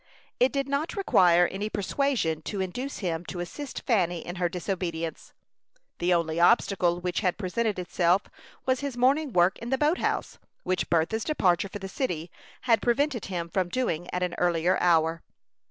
It did not require any persuasion to induce him to assist Fanny in her disobedience. The only obstacle which had presented itself was his morning work in the boat house, which Bertha's departure for the city had prevented him from doing at an earlier hour.